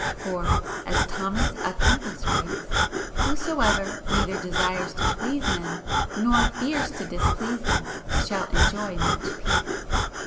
For, as Thomas a Kempis writes: "Whosoever neither desires to please men nor fears to displease them shall enjoy much peace."